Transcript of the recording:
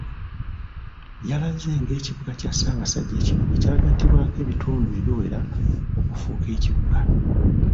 Yalaze ng'ekibuga kya Ssaabasajja kino bwe kyagattibwako ebitundu ebiwera okufuuka ekibuga .